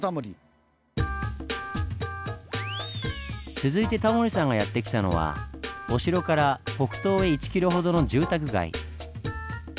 続いてタモリさんがやって来たのはお城から北東へ１ｋｍほどの住宅街。